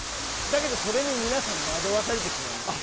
だけどそれに皆さん惑わされてしまうんです。